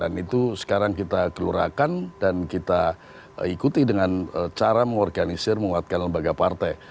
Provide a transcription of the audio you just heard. dan itu sekarang kita gelurahkan dan kita ikuti dengan cara mengorganisir menguatkan lembaga partai